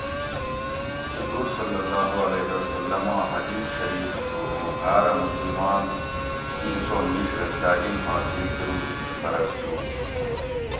حضور (ص) آں حدیث شریف تُھو اوں ہاۤرہ مسلمان اِیسو مِیش رہ تعلیم حاصل کۤروگ فرض تُھو